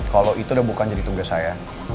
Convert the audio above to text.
kalau itu udah bukan jadi tugas saya